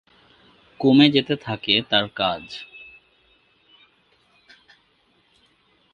কমে যেতে থাকে তার কাজ।